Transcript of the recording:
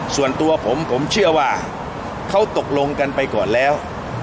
ส่วนตัวผมผมเชื่อว่าเขาตกลงกันไปก่อนแล้ว